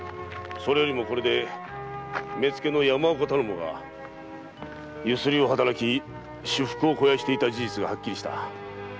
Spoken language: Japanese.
これで目付の山岡が強請を働き私腹を肥やしていた事実がはっきりした。